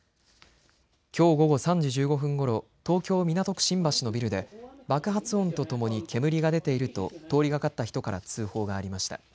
きょう午後３時１５分ごろ、東京港区新橋のビルで爆発音とともに煙が出ていると通りがかった人から通報がありました。